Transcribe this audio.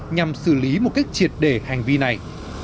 nhằm xử lý một cách triệt để hành vi này